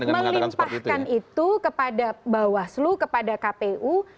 melimpahkan itu kepada bawaslu kepada kpu